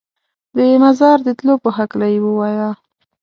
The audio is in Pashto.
د مزار د تلو په هکله یې ووایه.